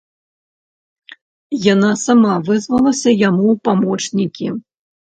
Яна сама вызвалася яму ў памочнікі.